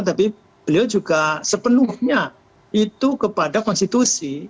tapi beliau juga sepenuhnya itu kepada konstitusi